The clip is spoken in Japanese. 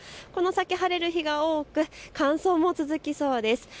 この先、晴れる日が多く乾燥も続きそうです。